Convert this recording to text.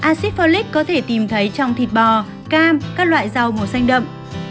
acid folic có thể tìm thấy trong thịt bò cam các loại rau màu xanh đậm